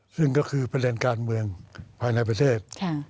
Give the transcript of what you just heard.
ซึ่งก็คือประเด็นการเมืองภายในประเทศ